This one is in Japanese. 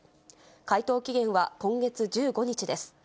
回答期限は今月１５日です。